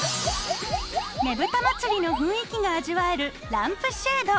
ねぶた祭の雰囲気が味わえるランプシェード。